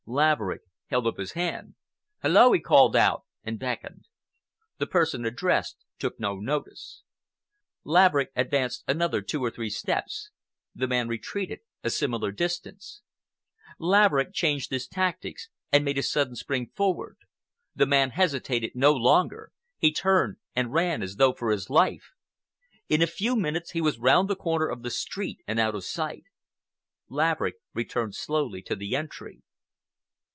Laverick held up his hand. "Hullo!" he called out, and beckoned. The person addressed took no notice. Laverick advanced another two or three steps—the man retreated a similar distance. Laverick changed his tactics and made a sudden spring forward. The man hesitated no longer—he turned and ran as though for his life. In a few minutes he was round the corner of the street and out of sight. Laverick returned slowly to the entry.